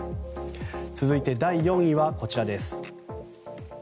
続いて第４位はこちらです。